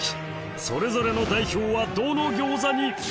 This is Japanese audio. それぞれの代表はどの餃子に？